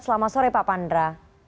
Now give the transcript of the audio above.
selamat sore pak pandra